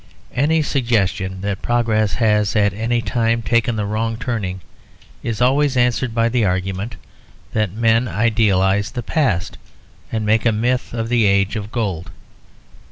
Any suggestion that progress has at any time taken the wrong turning is always answered by the argument that men idealise the past, and make a myth of the Age of Gold.